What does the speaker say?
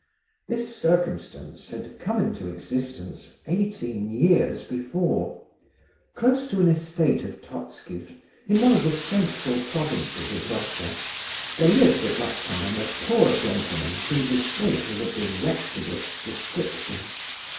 This circumstance had come into existence eighteen years before. Close to an estate of Totski's, in one of the central provinces of Russia, there lived, at that time, a poor gentleman whose estate was of the wretchedest description.